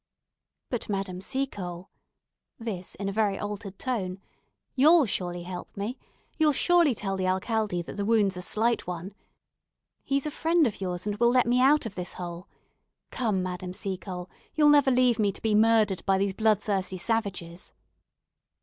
"But, Madame Seacole," (this in a very altered tone), "you'll surely help me? you'll surely tell the alcalde that the wound's a slight one? He's a friend of yours, and will let me out of this hole. Come, Madame Seacole, you'll never leave me to be murdered by these bloodthirsty savages?"